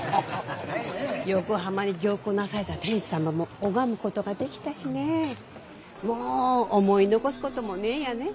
横浜に行幸なされた天子様も拝むことができたしねぇもう思い残すこともねぇやねぇ。